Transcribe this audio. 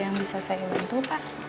yang bisa saya bantu pak